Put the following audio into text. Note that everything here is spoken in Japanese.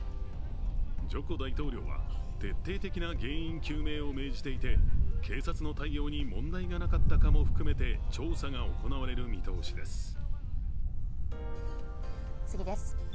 ジョコ大統領は徹底的な原因究明を命じていて、警察の対応に問題がなかったかも含めて調査が行われる見通しです。